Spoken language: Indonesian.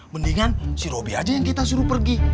mendingan si robi aja yang kita suruh pergi